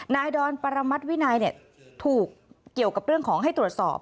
ดอนปรมัติวินัยถูกเกี่ยวกับเรื่องของให้ตรวจสอบ